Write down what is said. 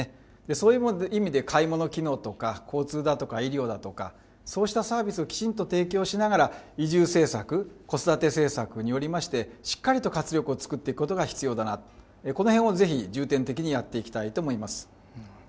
そういう意味で買い物機能とか、交通だとか医療だとか、そうしたサービスをきちんと提供しながら、移住政策、子育て政策によりまして、しっかりと活力を作っていくことが必要だなと、このへんをぜひ重点的にやっていきたいと思います。